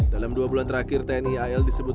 dalam dua bulan terakhir tni al disebut